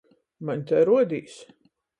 Maņ tai ruodīs.